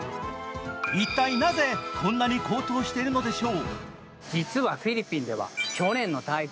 一体なぜ、こんなに高騰しているのでしょう。